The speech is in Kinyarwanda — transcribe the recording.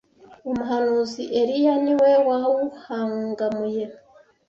umuhanuzi Eliya ni we wawuhangamuye